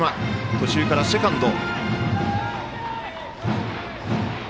途中からセカンド。